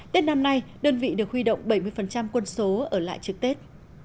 tết năm nay đơn vị được huy động bảy mươi quân số ở lại trực tết